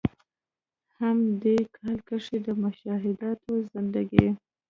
هم د ې کال کښې د“مشاهدات زندګي ”